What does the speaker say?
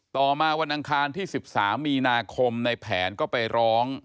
ต่อมาวันอังคารที่๑๓มีนาคมในแผนก็ไปร้อง